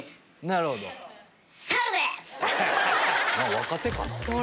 若手かな？